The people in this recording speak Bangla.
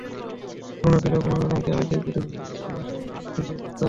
পুরোনো ক্লাব মোহামেডানকে আগেই প্রতিশ্রুতি দিয়ে রাখা মাশরাফি ফিরিয়ে দিয়েছেন সেই প্রস্তাব।